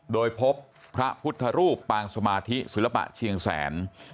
โดยพบพระพุทธรูปปางสมาธิศิลปะเชียงแสน